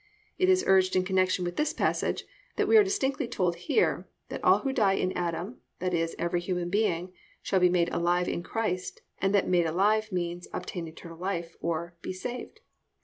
"+ It is urged in connection with this passage that we are distinctly told here that all who die in Adam, that is every human being, shall be made alive in Christ, and that "made alive" means "obtain eternal life," or "be saved."